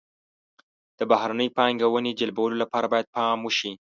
د بهرنۍ پانګونې جلبولو لپاره باید پام وشي.